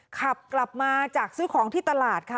ขับกลับมาจากซื้อของที่ตลาดค่ะ